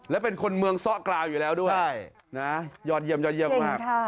และเป็นคนเมืองซ่อกราวอยู่แล้วด้วยนะยอดเยี่ยมมากฮะ